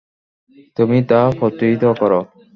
তুমিই তা প্রতিহত কর।